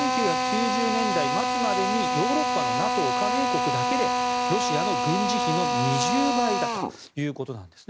１９９０年代末までにヨーロッパのＮＡＴＯ加盟国だけでロシアの軍事費の２０倍だということなんです。